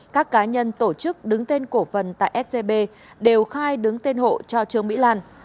các cá nhân tổ chức đứng tên cổ phần tại scb đều khai đứng tên hộ cho trương mỹ lan